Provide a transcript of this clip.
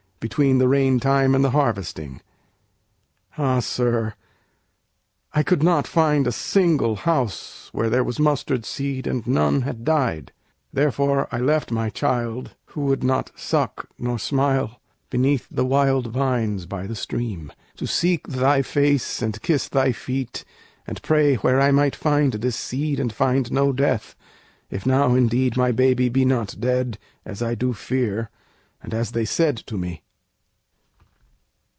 Between the rain time and the harvesting!' Ah, sir! I could not find a single house Where there was mustard seed and none had died! Therefore I left my child who would not suck Nor smile beneath the wild vines by the stream, To seek thy face and kiss thy feet, and pray Where I might find this seed and find no death, If now, indeed, my baby be not dead, As I do fear, and as they said to me."